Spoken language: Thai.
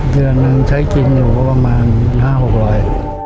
เดือนหนึ่งใช้กินอยู่ก็ประมาณห้าหกร้อย